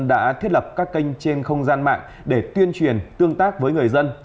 đã thiết lập các kênh trên không gian mạng để tuyên truyền tương tác với người dân